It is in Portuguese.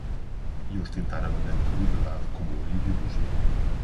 E ostentar a bandeira da liberdade como uma ideologia!